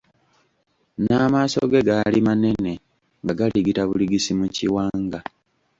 N’amaaso ge gaali manene nga galigita buligisi mu kiwanga.